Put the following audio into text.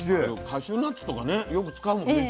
カシューナッツとかねよく使うもんね